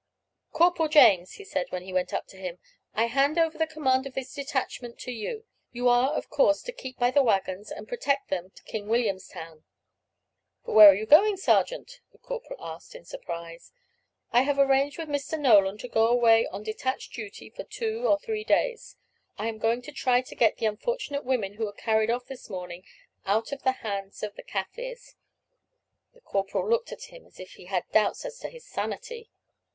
"Corporal James," he said, when he went up to him, "I hand over the command of this detachment to you. You are, of course, to keep by the waggons and protect them to King Williamstown." "But where are you going, sergeant?" the corporal asked, in surprise. "I have arranged with Mr. Nolan to go away on detached duty for two or three days. I am going to try to get the unfortunate women who were carried off this morning out of the hands of the Kaffirs." The corporal looked at him as if he had doubts as to his sanity.